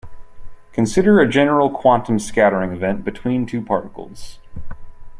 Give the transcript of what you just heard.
Consider a general quantum scattering event between two particles.